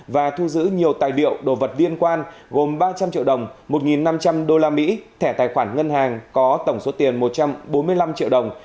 và thu giữ nhiều tài liệu đồ vật liên quan gồm ba trăm linh triệu đồng một năm trăm linh usd thẻ tài khoản ngân hàng có tổng số tiền một trăm bốn mươi năm triệu đồng